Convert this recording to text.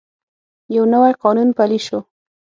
یو نوی قانون پلی شو.